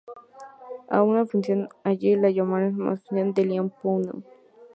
A una función así la llamaremos función de Liapunov.